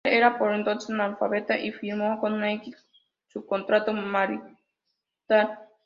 Catherine era por entonces analfabeta, y firmó con una "x" su contrato marital.